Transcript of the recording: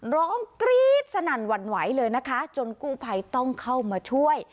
ร้องกรี๊ดสนั่นหวั่นไหวเลยนะคะจนกู้ภัยต้องเข้ามาช่วย